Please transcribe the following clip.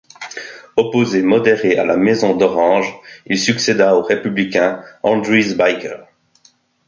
Opposé modéré à la maison d'Orange, il succéda au républicain Andries Bicker.